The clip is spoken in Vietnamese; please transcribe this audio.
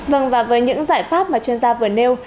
vâng và với những giải pháp mà chuyên gia vừa nêu